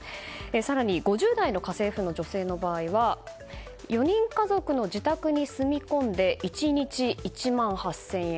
更に、５０代の家政婦の女性の場合は４人家族の自宅に住み込んで１日１万８０００円。